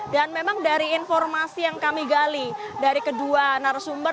dan memang dari informasi yang kami gali dari kedua narasumber